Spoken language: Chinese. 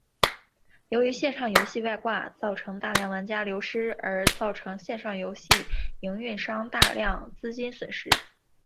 由于线上游戏外挂造成大量玩家流失而造成线上游戏营运商大量资金损失。